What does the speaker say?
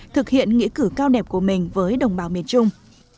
thực hiện nghĩa cử cao đẹp của mình với đồng bào miền trung